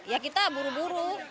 ya kita buru buru